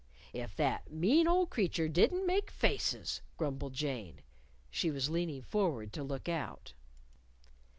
"If that mean old creature didn't make faces!" grumbled Jane. She was leaning forward to look out.